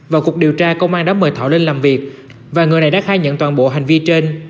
vào cuộc điều tra công an đã mời thọ lên làm việc và người này đã khai nhận toàn bộ hành vi trên